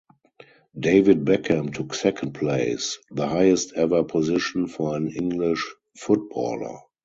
David Beckham took second place, the highest ever position for an English footballer.